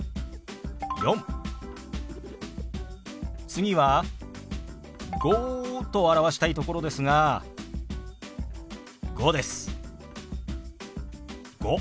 次は「５」と表したいところですが「５」です。